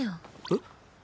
えっ？